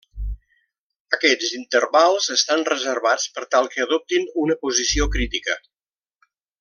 Aquests intervals estan reservats per tal que adoptin una posició crítica.